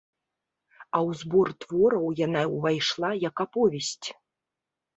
А ў збор твораў яна ўвайшла як аповесць.